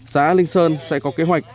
xã linh sơn sẽ có kế hoạch